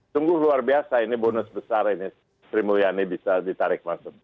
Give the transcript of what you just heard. sungguh luar biasa ini bonus besar ini sri mulyani bisa ditarik masuk